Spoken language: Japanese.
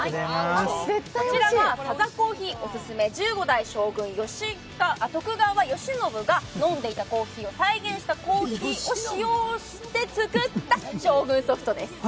こちらはサザコーヒーおすすめ、１５代将軍・徳川慶喜が飲んでいたコーヒーを再現したコーヒーを使用して作った将軍ソフトです。